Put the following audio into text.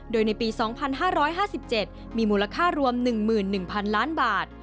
โดยในปี๒๕๕๗มีมูลค่ารวม๑๑๐๐๐ล้านบาท